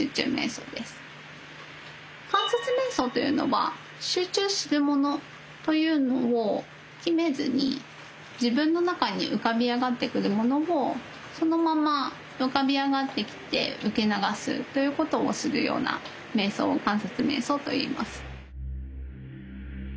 観察瞑想というのは集中するものというのを決めずに自分の中に浮かび上がってくるものをそのまま浮かび上がってきて受け流すということをするような瞑想を観察瞑想といいます。